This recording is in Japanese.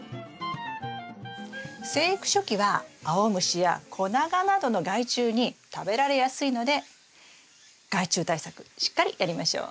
生育初期はアオムシやコナガなどの害虫に食べられやすいので害虫対策しっかりやりましょう。